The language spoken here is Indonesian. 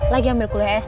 lagi ambil kuliah s dua